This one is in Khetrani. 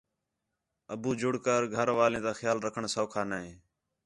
ابو جُڑ کر گھر والیں تا خیال رکھݨ سَوکھا نے